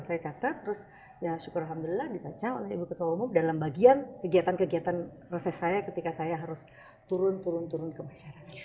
saya catat terus ya syukur alhamdulillah ditaca oleh ibu ketua umum dalam bagian kegiatan kegiatan reses saya ketika saya harus turun turun turun ke masyarakat